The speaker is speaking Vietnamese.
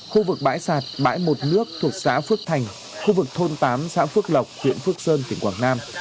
khu vực bãi sạt bãi một nước thuộc xã phước thành khu vực thôn tám xã phước lộc huyện phước sơn tỉnh quảng nam